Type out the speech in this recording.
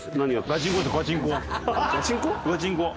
ガチンコ。